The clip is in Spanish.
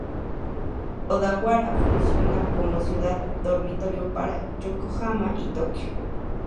Odawara funciona como ciudad dormitorio para Yokohama y Tokio.